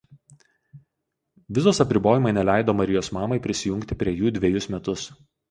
Vizos apribojimai neleido Marijos mamai prisijungti prie jų dvejus metus.